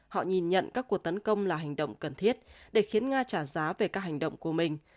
họ nhìn nhận các cuộc tấn công là hành động cần thiết để khiến nga trả giá về các hành động của mình